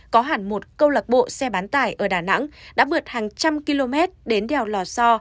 có hẳn một câu lạc bộ xe bán tải ở đà nẵng đã vượt hàng trăm km đến đèo lò so